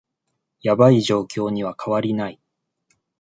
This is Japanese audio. ヤバい状況には変わりない